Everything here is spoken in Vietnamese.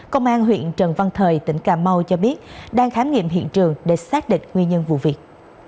công an huyện trần văn thời tỉnh cà mau cho biết đang khám nghiệm hiện trường để xác định nguyên nhân vụ việc